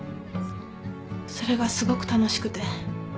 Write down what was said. それがすごく楽しくて。